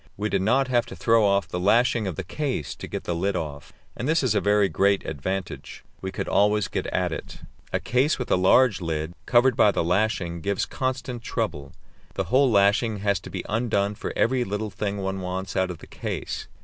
We did not have to throw off the lashing of the case to get the lid off, and this is a very great advantage; we could always get at it. A case with a large lid, covered by the lashing, gives constant trouble; the whole lashing has to be undone for every little thing one wants out of the case.